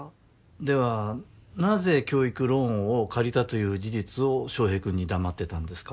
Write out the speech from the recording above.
ではなぜ教育ローンを借りたという事実を翔平君に黙ってたんですか？